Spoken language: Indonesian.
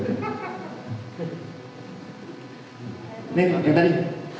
ini yang tadi